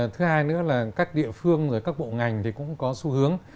thứ hai nữa là các địa phương rồi các bộ ngành thì cũng có xu hướng